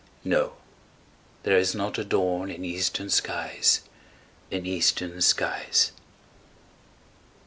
No, there is not a dawn in eastern skies In eastern skies.